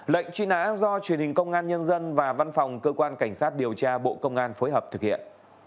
lệnh truy nã do truyền hình công an nhân dân và văn phòng cơ quan cảnh sát điều tra bộ công an phối hợp thực hiện